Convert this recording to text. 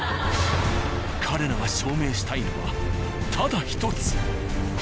彼らが証明したいのはただ１つ。